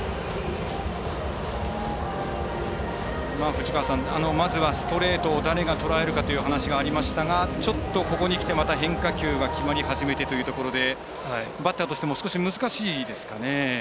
藤川さん、まずはストレートを誰がとらえるかというお話がありましたがちょっとここにきて変化球が決まり始めてというところでバッターとしても少し難しいですかね。